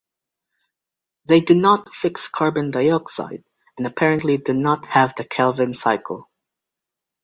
They do not fix carbon dioxide and apparently do not have the Calvin cycle.